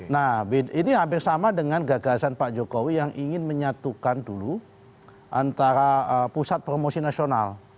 nah ini hampir sama dengan gagasan pak jokowi yang ingin menyatukan dulu antara pusat promosi nasional